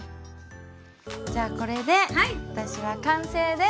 じゃあこれで私は完成です！